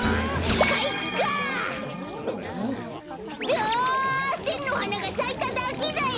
だあせんのはながさいただけだよ！